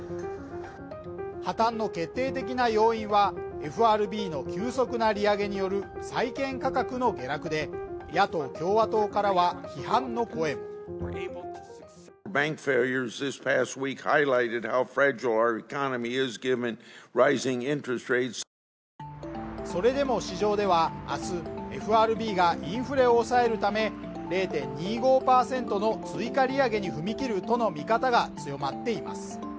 破綻の決定的な要因は、ＦＲＢの急速な利上げによる債券価格の下落で、野党共和党からは批判の声もそれでも市場では、明日ＦＲＢがインフレを抑えるため、０．２５％の追加利上げに踏み切るとの見方が強まっています。